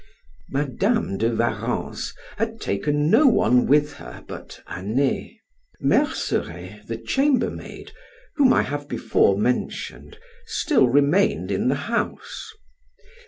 Madam de Warrens had taken no one with her but Anet: Merceret, the chambermaid, whom I have before mentioned, still remained in the house.